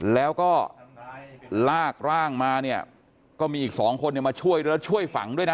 แล้วก็ลากร่างมาเนี่ยก็มีอีกสองคนเนี่ยมาช่วยด้วยแล้วช่วยฝังด้วยนะ